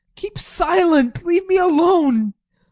Keep silent! Leave me alone!